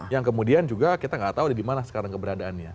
yang kemudian juga kita gak tau dimana sekarang keberadaannya